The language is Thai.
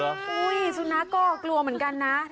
สุนัขก็กลัวเหมือนกันนะ